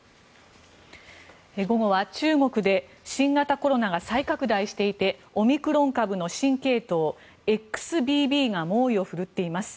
午後は中国で新型コロナが再拡大していてオミクロン株の新系統ＸＢＢが猛威を振るっています。